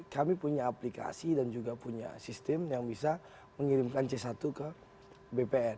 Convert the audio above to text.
kami punya aplikasi dan juga punya sistem yang bisa mengirimkan c satu ke bpn